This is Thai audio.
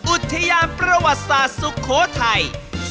อุทยานประวัติศาสตร์สุโขทัย